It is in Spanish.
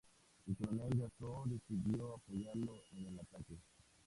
El coronel Gastó decidió apoyarlo en el ataque.